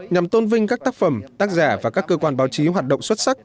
nhằm tôn vinh các tác phẩm tác giả và các cơ quan báo chí hoạt động xuất sắc